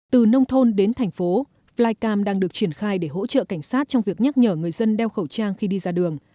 từ nông thôn đến thành phố flycam đang được triển khai để hỗ trợ cảnh sát trong việc nhắc nhở người dân đeo khẩu trang khi đi ra đường